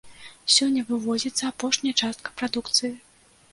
Сёння вывозіцца апошняя частка прадукцыі.